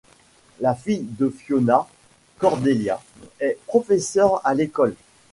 La fille de Fiona, Cordélia, est professeure à l'école.